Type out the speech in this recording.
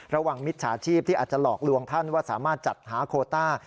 มิจฉาชีพที่อาจจะหลอกลวงท่านว่าสามารถจัดหาโคต้า